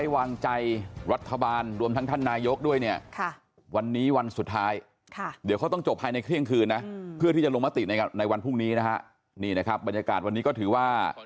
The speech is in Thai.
วันนี้วันสุดท้ายเดี๋ยวเขาต้องจบภายในเครื่องคืนนะเพื่อที่จะลงมาติดในวันพรุ่งนี้นะฮะนี่นะครับบรรยากาศวันนี้ก็ถือว่า